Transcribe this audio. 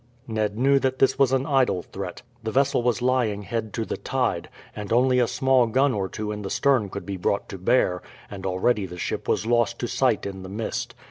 Ned knew that this was an idle threat. The vessel was lying head to the tide, and only a small gun or two in the stern could be brought to bear, and already the ship was lost to sight in the mist.